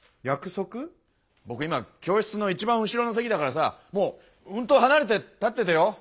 僕今教室の一番後ろの席だからさもううんと離れて立っててよ。